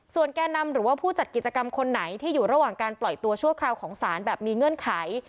ส่วนแก่นำหรือว่าผู้จัดกิจกรรมคนไหนที่อยู่ระหว่างการปล่อยตัวชั่วคราวของศาลแบบมีเงื่อนไข